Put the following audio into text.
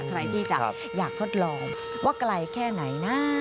ใครที่จะอยากทดลองว่าไกลแค่ไหนนะ